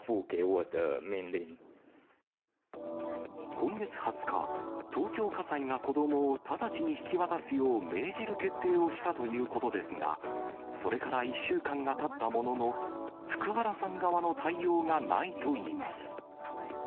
今月２０日、東京家裁が、子どもを直ちに引き渡すよう命じる決定をしたということですが、それから１週間がたったものの、福原さん側の対応がないといいます。